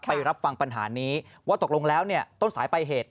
ไปรับฟังปัญหานี้ว่าตกลงแล้วเนี่ยต้นสายปลายเหตุ